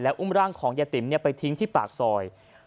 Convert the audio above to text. อุ้มร่างของยายติ๋มไปทิ้งที่ปากซอย